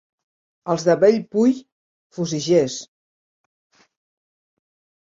Els de Bellpui, fugissers.